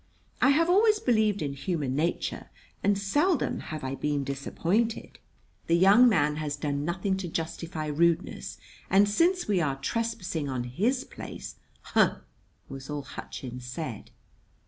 I have always believed in human nature and seldom have I been disappointed. The young man has done nothing to justify rudeness. And since we are trespassing on his place " "Huh!" was all Hutchins said.